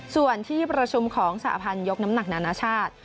ส่วนที่ประชุมของสหพันธ์ยกน้ำหนักนานาชาติ